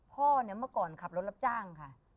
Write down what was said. พ่อเนี่ยเมื่อก่อนขับรถรับจ้างค่ะ